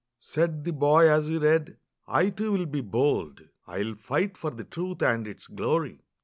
Said the boy as he read, "I too will be bold, I will fight for the truth and its glory!"